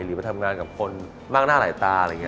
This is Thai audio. หรือมาทำงานกับคนมากหน้าหลายตา